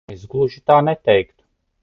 Es gluži tā neteiktu.